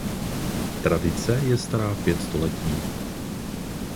Tradice je stará pět století.